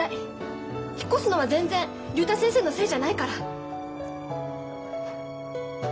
引っ越すのは全然竜太先生のせいじゃないから。